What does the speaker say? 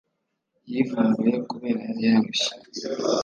yivumbuye kubera yari yarushye